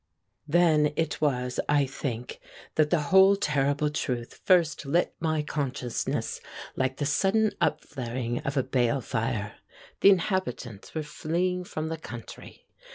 Then it was, I think, that the whole terrible truth first lit my consciousness like the sudden upflaring of a bale fire. The inhabitants were fleeing from the country.